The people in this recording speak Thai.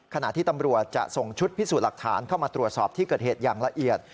ขณะที่ตำรวจจะส่งชุดพิสูจน์หลักฐานเข้ามาตรวจสอบที่เกิดเหตุอย่างละเอียด